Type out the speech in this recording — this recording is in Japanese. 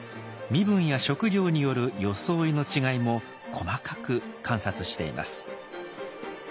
身分や職業による装いの違いも細かく観察しています。